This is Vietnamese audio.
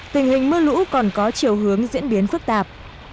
tình hình mưa lũ còn có chiều hướng diễn biến phức tạp